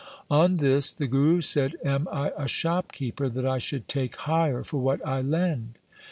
On this the Guru said, 1 Am I a shop keeper that I should take hire for what I lend